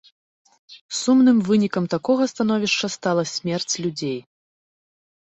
Сумным вынікам такога становішча стала смерць людзей.